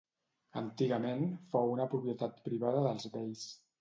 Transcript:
Antigament, fou una propietat privada dels beis.